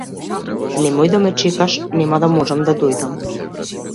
Немој да ме чекаш нема да можам да дојдам.